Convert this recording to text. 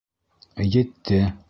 — Етте!